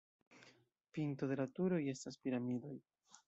Pinto de la turoj estas piramidoj.